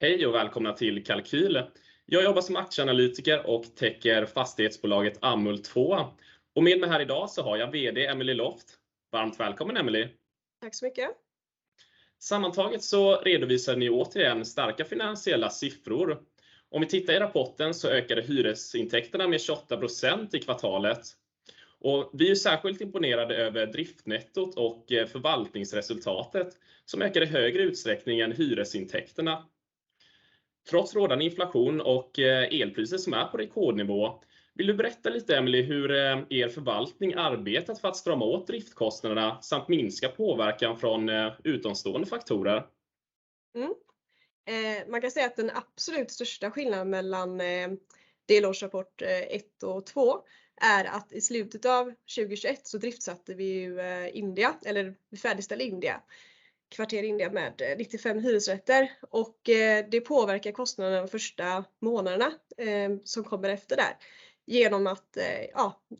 Hej och välkomna till Kalqyl. Jag jobbar som aktieanalytiker och täcker fastighetsbolaget Amhult 2. Med mig här i dag så har jag VD Emelie Loft. Varmt välkommen Emelie. Tack så mycket. Sammantaget så redovisar ni återigen starka finansiella siffror. Om vi tittar i rapporten så ökade hyresintäkterna med 28% i kvartalet. Vi är särskilt imponerade över driftnettot och förvaltningsresultatet som ökade i högre utsträckning än hyresintäkterna. Trots rådande inflation och elpriser som är på rekordnivå. Vill du berätta lite Emelie hur er förvaltning arbetat för att strama åt driftkostnaderna samt minska påverkan från utomstående faktorer? Man kan säga att den absolut största skillnaden mellan delårsrapport 1 och 2 är att i slutet av 2021 så driftsatte vi ju Kvarter India eller färdigställde Kvarter India, Kvarter India med 95 hyresrätter och det påverkar kostnaderna de första månaderna som kommer efter där. Genom att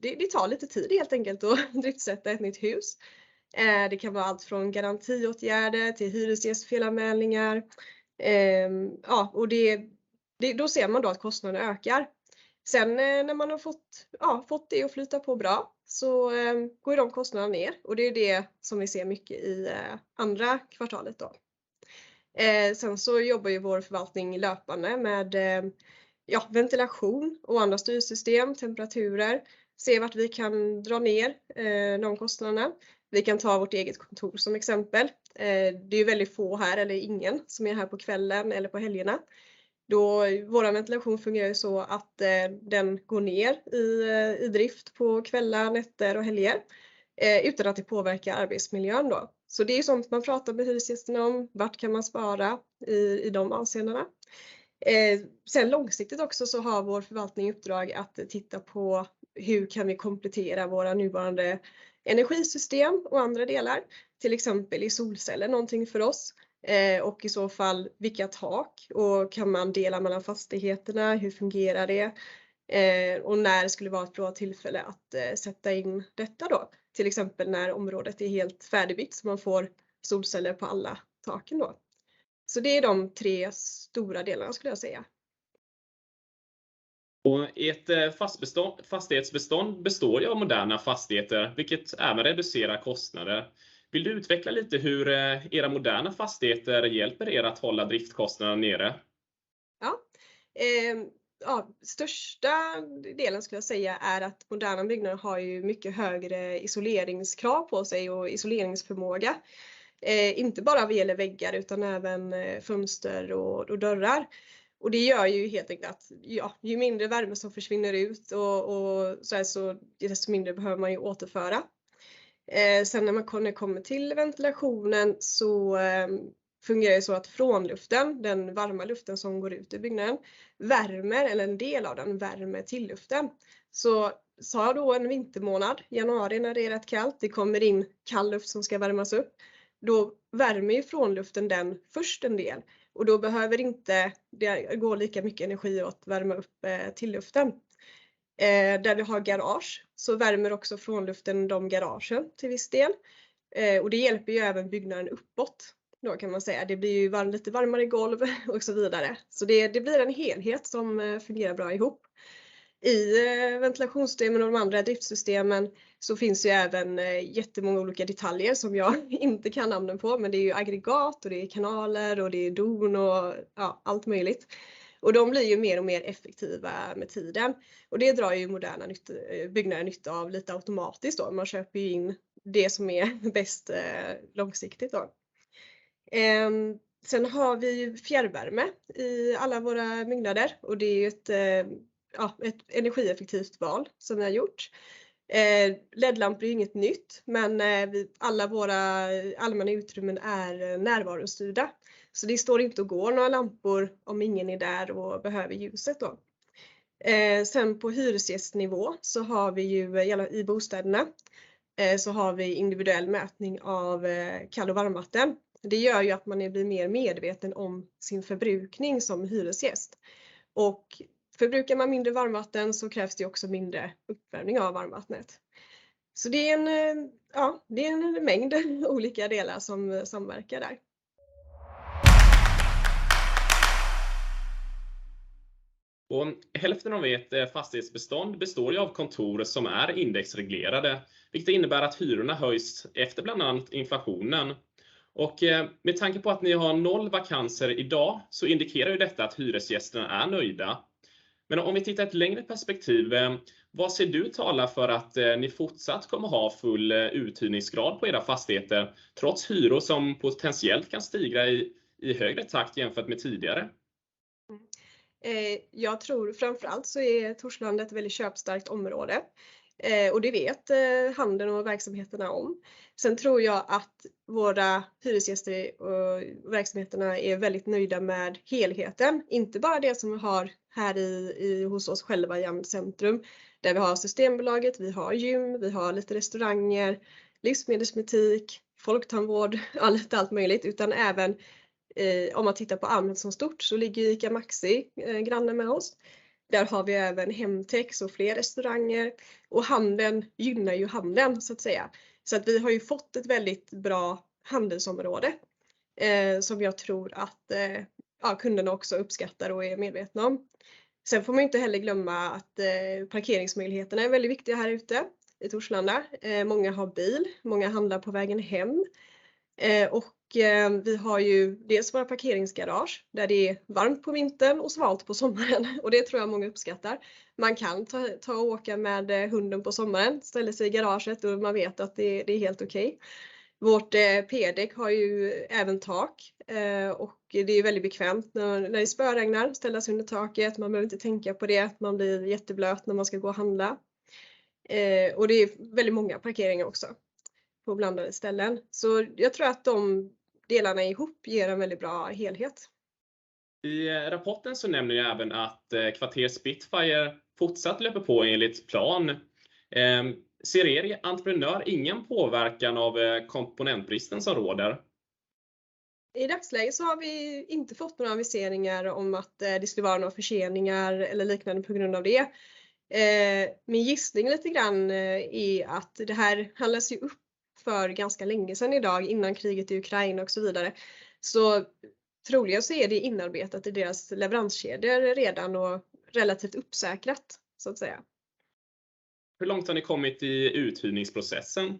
det tar lite tid helt enkelt att driftsätta ett nytt hus. Det kan vara allt från garantiåtgärder till hyresgästfelanmälningar. Och det, ser man att kostnaden ökar. När man har fått det att flyta på bra så går ju de kostnaderna ner och det är det som vi ser mycket i andra kvartalet. Vår förvaltning jobbar löpande med ventilation och andra styrsystem, temperaturer, se vart vi kan dra ner de kostnaderna. Vi kan ta vårt eget kontor som exempel. Det är väldigt få här eller ingen som är här på kvällen eller på helgerna. Vår ventilation fungerar ju så att den går ner i drift på kvällar, nätter och helger utan att det påverkar arbetsmiljön då. Det är ju sånt man pratar med hyresgästerna om, vart kan man spara i de avseendena. Långsiktigt också så har vår förvaltning i uppdrag att titta på hur kan vi komplettera våra nuvarande energisystem och andra delar. Till exempel är solceller någonting för oss och i så fall vilka tak? Kan man dela mellan fastigheterna? Hur fungerar det? När skulle vara ett bra tillfälle att sätta in detta då? Till exempel när området är helt färdigbyggt, man får solceller på alla taken då. Det är de tre stora delarna skulle jag säga. Ert fastighetsbestånd består ju av moderna fastigheter, vilket även reducerar kostnader. Vill du utveckla lite hur era moderna fastigheter hjälper er att hålla driftkostnaderna nere? Ja. Största delen skulle jag säga är att moderna byggnader har ju mycket högre isoleringskrav på sig och isoleringsförmåga. Inte bara vad gäller väggar utan även fönster och dörrar. Det gör ju helt enkelt att ju mindre värme som försvinner ut och sådär, desto mindre behöver man ju återföra. När man kommer till ventilationen så fungerar det så att frånluften, den varma luften som går ut i byggnaden, värmer över en del av den värme till luften. Säg då en vintermånad, januari när det är rätt kallt, det kommer in kall luft som ska värmas upp. Värmer ju frånluften den först en del och då behöver inte det gå lika mycket energi åt att värma upp tilluften. Där vi har garage så värmer också frånluften upp garagen till viss del. Det hjälper ju även byggnaden uppåt. Kan man säga, det blir ju lite varmare golv och så vidare. Det blir en helhet som fungerar bra ihop. I ventilationssystemen och de andra driftsystemen så finns ju även jättemånga olika detaljer som jag inte kan namnen på, men det är ju aggregat och det är kanaler och det är don och ja, allt möjligt. De blir ju mer och mer effektiva med tiden. Det drar ju moderna nybyggnader nytta av lite automatiskt. Man köper in det som är bäst långsiktigt. Har vi fjärrvärme i alla våra byggnader och det är ett, ja, ett energieffektivt val som vi har gjort. LED-lampor är inget nytt, men i alla våra allmänna utrymmen är närvarostyrda. Det står inte och går några lampor om ingen är där och behöver ljuset. På hyresgästnivå så har vi i alla bostäderna individuell mätning av kall- och varmvatten. Det gör ju att man blir mer medveten om sin förbrukning som hyresgäst. Förbrukar man mindre varmvatten så krävs det också mindre uppvärmning av varmvattnet. Det är en mängd olika delar som samverkar där. Hälften av ert fastighetsbestånd består ju av kontor som är indexreglerade, vilket innebär att hyrorna höjs efter bland annat inflationen. Med tanke på att ni har 0 vakanser i dag så indikerar ju detta att hyresgästerna är nöjda. Om vi tittar ett längre perspektiv, vad ser du tala för att ni fortsatt kommer att ha full uthyrningsgrad på era fastigheter trots hyror som potentiellt kan stiga i högre takt jämfört med tidigare? Jag tror framför allt så är Torslanda ett väldigt köpstarkt område och det vet handeln och verksamheterna om. Tror jag att våra hyresgäster och verksamheterna är väldigt nöjda med helheten. Inte bara det som vi har här hos oss själva i Amhult Centrum, där vi har Systembolaget, vi har gym, vi har lite restauranger, livsmedelsbutik, folktandvård, allt möjligt. Utan även om man tittar på Amhult som stort så ligger ICA Maxi granne med oss. Där har vi även Hemtex och fler restauranger. Och handeln gynnar ju handeln så att säga. Vi har ju fått ett väldigt bra handelsområde, som jag tror att de kunderna också uppskattar och är medvetna om. Får man inte heller glömma att parkeringsmöjligheterna är väldigt viktiga här ute i Torslanda. Många har bil, många handlar på vägen hem. Vi har ju dels våra parkeringsgarage där det är varmt på vintern och svalt på sommaren. Det tror jag många uppskattar. Man kan ta och åka med hunden på sommaren, ställer sig i garaget och man vet att det är helt okej. Vårt P-däck har ju även tak. Det är väldigt bekvämt när det spöregnar, ställa sig under taket. Man behöver inte tänka på det, att man blir jätteblöt när man ska gå och handla. Det är väldigt många parkeringar också på blandade ställen. Jag tror att de delarna ihop ger en väldigt bra helhet. I rapporten så nämner ni även att Kvarter Spitfire fortsatt löper på enligt plan. Ser er entreprenör ingen påverkan av komponentbristen som råder? I dagsläget så har vi inte fått några aviseringar om att det skulle vara några förseningar eller liknande på grund av det. Min gissning lite grann är att det här handlas ju upp för ganska länge sedan i dag innan kriget i Ukraina och så vidare. Troligen så är det inarbetat i deras leveranskedjor redan och relativt uppsäkrat så att säga. Hur långt har ni kommit i uthyrningsprocessen?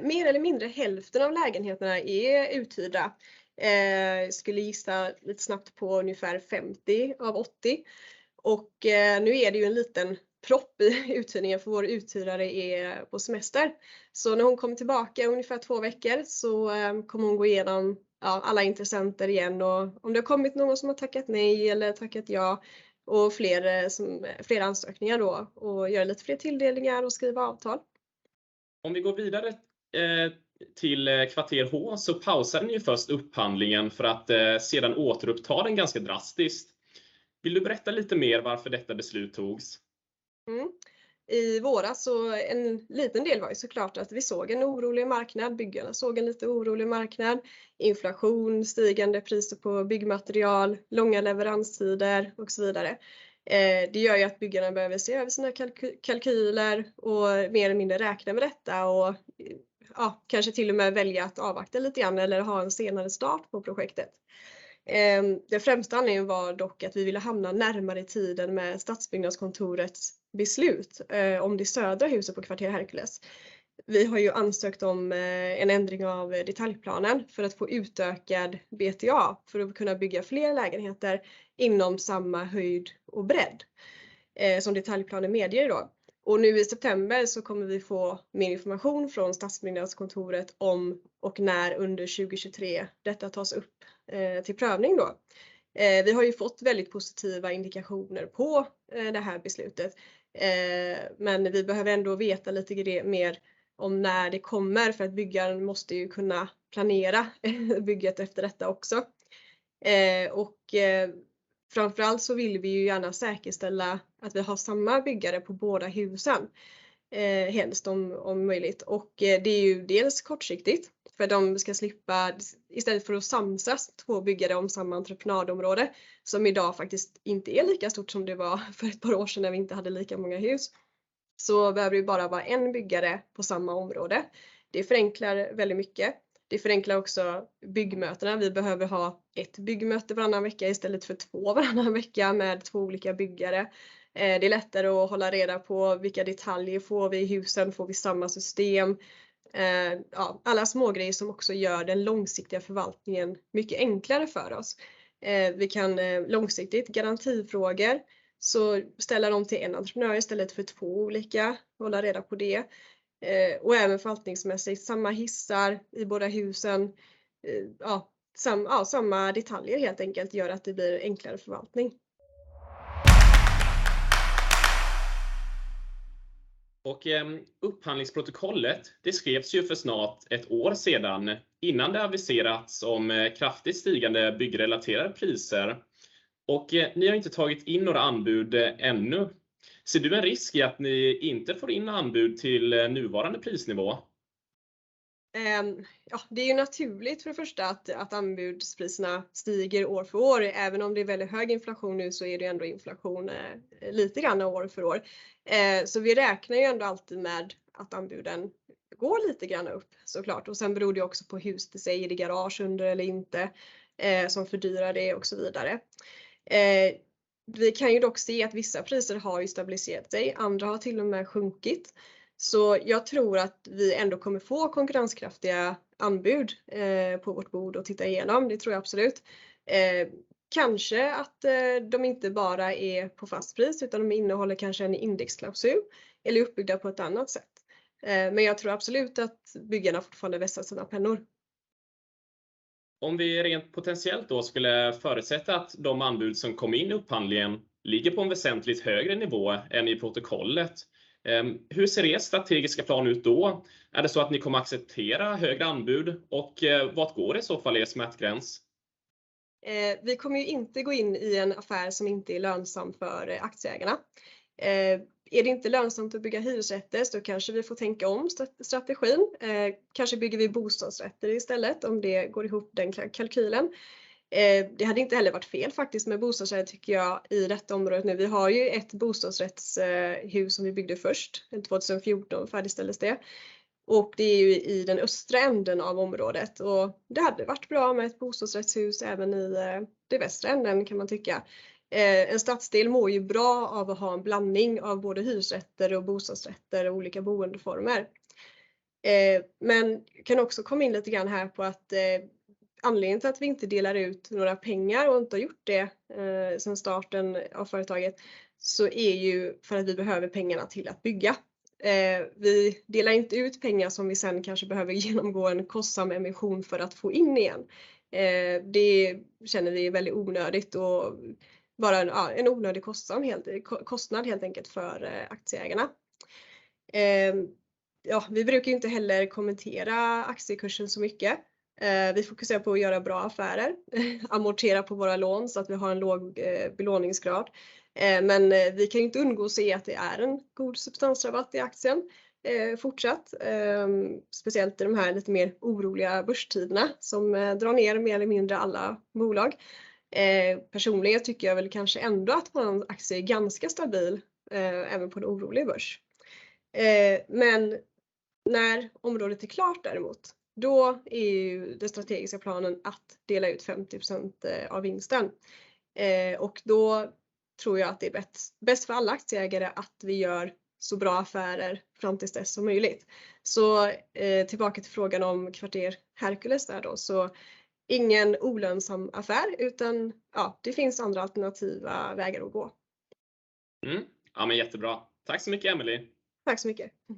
Mer eller mindre hälften av lägenheterna är uthyrda. Skulle gissa lite snabbt på ungefär 50 av 80. Nu är det ju en liten propp i uthyrningen för vår uthyrare är på semester. När hon kommer tillbaka om ungefär 2 veckor så kommer hon gå igenom alla intressenter igen. Om det har kommit någon som har tackat nej eller tackat ja och fler ansökningar då och göra lite fler tilldelningar och skriva avtal. Om vi går vidare till Kvarter Herkules så pausade ni ju först upphandlingen för att sedan återuppta den ganska drastiskt. Vill du berätta lite mer varför detta beslut togs? I våras så en liten del var ju så klart att vi såg en orolig marknad. Byggarna såg en lite orolig marknad. Inflation, stigande priser på byggmaterial, långa leveranstider och så vidare. Det gör ju att byggarna behöver se över sina kalkyler och mer eller mindre räkna med detta och kanske till och med välja att avvakta lite grann eller ha en senare start på projektet. Den främsta anledningen var dock att vi ville hamna närmare i tiden med Stadsbyggnadskontorets beslut om det södra huset på Kvarter Herkules. Vi har ju ansökt om en ändring av detaljplan för att få utökad BTA för att kunna bygga fler lägenheter inom samma höjd och bredd som detaljplan medger då. Nu i september så kommer vi få mer information från Stadsbyggnadskontoret om och när under 2023 detta tas upp till prövning då. Vi har ju fått väldigt positiva indikationer på det här beslutet. Vi behöver ändå veta lite mer om när det kommer för att byggaren måste ju kunna planera bygget efter detta också. Framför allt så vill vi ju gärna säkerställa att vi har samma byggare på båda husen. Helst om möjligt. Det är ju dels kortsiktigt för de ska slippa istället för att samsas två byggare om samma entreprenadområde som i dag faktiskt inte är lika stort som det var för ett par år sedan när vi inte hade lika många hus. Behöver det bara vara en byggare på samma område. Det förenklar väldigt mycket. Det förenklar också byggmötena. Vi behöver ha ett byggmöte varannan vecka istället för två varannan vecka med två olika byggare. Det är lättare att hålla reda på vilka detaljer får vi i husen? Får vi samma system? Ja, alla smågrejer som också gör den långsiktiga förvaltningen mycket enklare för oss. Vi kan långsiktigt garantifrågor så ställa dem till en entreprenör istället för två olika. Hålla reda på det. Och även förvaltningsmässigt, samma hissar i båda husen. Ja, samma detaljer helt enkelt gör att det blir enklare förvaltning. Upphandlingsprotokollet, det skrevs ju för snart ett år sedan innan det aviserats om kraftigt stigande byggrelaterade priser och ni har inte tagit in några anbud ännu. Ser du en risk i att ni inte får in anbud till nuvarande prisnivå? Ja det är naturligt för det första att anbudspriserna stiger år för år. Även om det är väldigt hög inflation nu så är det ändå inflation lite grann år för år. Vi räknar ju ändå alltid med att anbuden går lite grann upp så klart. Sen beror det också på huset det gäller, är det garage under eller inte, som fördyrar det och så vidare. Vi kan ju dock se att vissa priser har ju stabiliserat sig, andra har till och med sjunkit. Jag tror att vi ändå kommer få konkurrenskraftiga anbud på vårt bord och titta igenom. Det tror jag absolut. Kanske att de inte bara är på fast pris utan de innehåller kanske en indexklausul eller är uppbyggda på ett annat sätt. Jag tror absolut att byggarna fortfarande vässar sina pennor. Om vi rent potentiellt då skulle förutsätta att de anbud som kom in i upphandlingen ligger på en väsentligt högre nivå än i protokollet. Hur ser er strategiska plan ut då? Är det så att ni kommer acceptera högre anbud och vart går i så fall er smärtgräns? Vi kommer ju inte gå in i en affär som inte är lönsam för aktieägarna. Är det inte lönsamt att bygga hyresrätter så kanske vi får tänka om strategin. Kanske bygger vi bostadsrätter istället om det går ihop den kalkylen. Det hade inte heller varit fel faktiskt med bostadsrätter tycker jag i detta området. Vi har ju ett bostadsrättshus som vi byggde först, 2014 färdigställdes det. Det är ju i den östra änden av området och det hade varit bra med ett bostadsrättshus även i den västra änden kan man tycka. En stadsdel mår ju bra av att ha en blandning av både hyresrätter och bostadsrätter och olika boendeformer. Kan också komma in lite grann här på att anledningen till att vi inte delar ut några pengar och inte har gjort det sen starten av företaget, så är ju för att vi behöver pengarna till att bygga. Vi delar inte ut pengar som vi sen kanske behöver genomgå en kostsam emission för att få in igen. Det känner vi är väldigt onödigt och vara en onödig kostsamhet, kostnad helt enkelt för aktieägarna. Ja vi brukar inte heller kommentera aktiekursen så mycket. Vi fokuserar på att göra bra affärer, amortera på våra lån så att vi har en låg belåningsgrad. Men vi kan ju inte undvika att se att det är en god substansrabatt i aktien. Fortsatt, speciellt i de här lite mer oroliga börstiderna som drar ner mer eller mindre alla bolag. Personligen tycker jag väl kanske ändå att vår aktie är ganska stabil, även på en orolig börs. När området är klart däremot, då är ju den strategiska planen att dela ut 50% av vinsten. Då tror jag att det är bäst för alla aktieägare att vi gör så bra affärer fram tills dess som möjligt. Tillbaka till frågan om Kvarter Herkules där då. Ingen olönsam affär, utan ja, det finns andra alternativa vägar att gå. Ja men jättebra. Tack så mycket, Emelie. Tack så mycket.